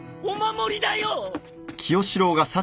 お守りだよ！